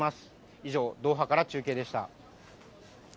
以上、ドーハから中継でした。